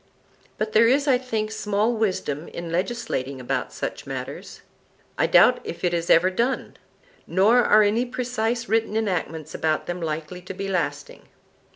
But there is, I think, small wisdom in legislating about such matters,—I doubt if it is ever done; nor are any precise written enactments about them likely to be lasting.